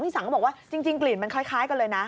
สังก็บอกว่าจริงกลิ่นมันคล้ายกันเลยนะ